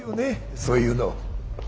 そういうの。